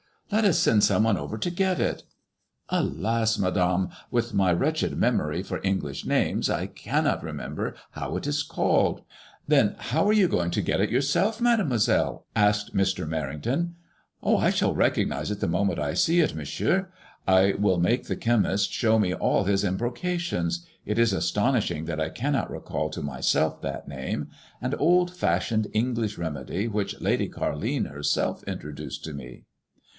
Let us send some one over to get it." Alas 1 Madame, with my wretched memory for English names, I cannot remember how it is called." " Then how are you going to get it yourself, Mademoiselle ?*' asked Mr. Merrington. I shall recognize it the moment I see it, Monsieur. I will make the chemist show me all his embrocations. It is as tonishing that I cannot recall to myself that name. An old fashioned English remedy which Lady Carline herself introduced to me."